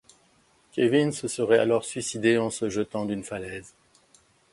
Kelvin se serait alors suicidé en se jetant d'une falaise.